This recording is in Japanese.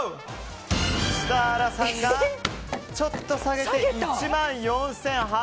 シタラさんがちょっと下げて１万４８００円。